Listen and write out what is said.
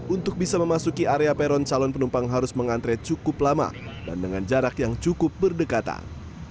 untuk bisa memasuki area peron calon penumpang harus mengantre cukup lama dan dengan jarak yang cukup berdekatan